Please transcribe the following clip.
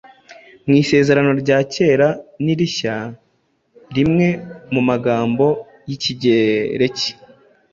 mw’Isezerano rya Kera n’Irishya, rimwe mu magambo y’Ikigereki